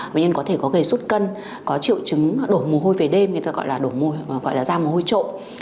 bệnh nhân có thể có gây sốt cân có triệu chứng đổ mồ hôi về đêm người ta gọi là da mồ hôi trộn